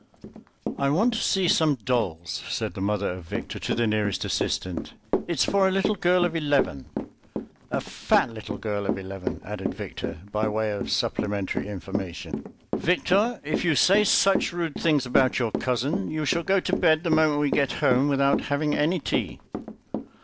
"I want to see some dolls," said the mother of Victor to the nearest assistant; "it's for a little girl of eleven." "A fat little girl of eleven," added Victor by way of supplementary information. "Victor, if you say such rude things about your cousin, you shall go to bed the moment we get home, without having any tea."